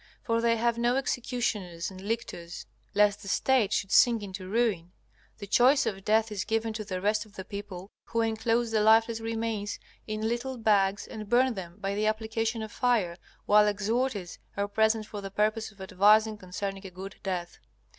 For they have no executioners and lictors, lest the State should sink into ruin. The choice of death is given to the rest of the people, who enclose the lifeless remains in little bags and burn them by the application of fire, while exhorters are present for the purpose of advising concerning a good death.